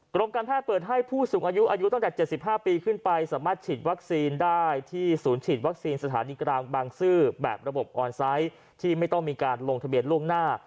กรมการแพทย์เปิดให้ผู้สูงอายุอายุตั้งแต่๗๕ปีขึ้นไปสามารถฉีดวัคซีนได้ที่ศูนย์ฉีดวัคซีนสถานีกลางบางซื่อแบบระบบออนไซต์ที่ไม่ต้องมีการลงทะเบียนล่วงหน้า